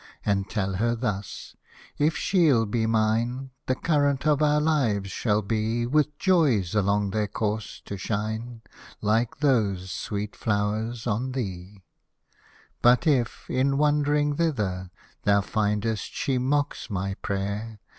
And tell her thus, if she'll be mine, The current of our lives shall be, With joys along their course to shine, Like those sweet flowers on thee. Hosted by Google so WARMLY WE MET 49 But if, in wandering thither, Thou findest she mocks my prayer.